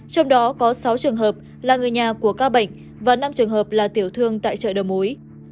trong đó có sáu trường hợp là người nhà của ca bệnh và năm trường hợp là tiểu thương tại chợ đầu mối